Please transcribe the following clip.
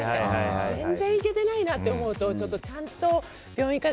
全然行けてないなって思うとちゃんと病院から。